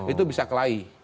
itu bisa kelahi